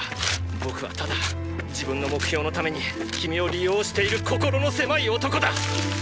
僕はただ自分の目標のために君を利用している心の狭い男だ！